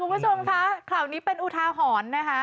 คุณผู้ชมคะข่าวนี้เป็นอุทาหรณ์นะคะ